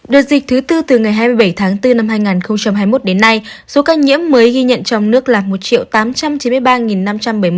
đợt dịch thứ tư từ ngày hai mươi bảy tháng bốn năm hai nghìn hai mươi một đến nay số ca nhiễm mới ghi nhận trong nước là một tám trăm chín mươi ba năm trăm bảy mươi một ca